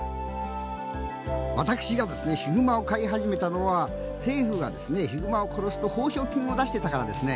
私がヒグマを飼い始めたのは政府がヒグマを殺して報奨金を出してたからです。